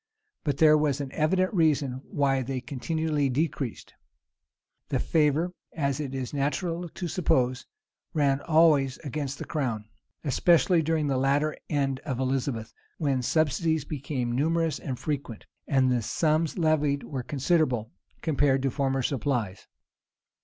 But there was an evident reason why they continually decreased. The favor, as is natural to suppose, ran always against the crown; especially during the latter end of Elizabeth, when subsidies became numerous and frequent, and the sums levied were considerable, compared to former supplies.